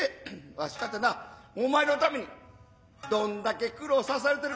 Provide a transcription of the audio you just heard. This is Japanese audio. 私かてなお前のためにどんだけ苦労させられてる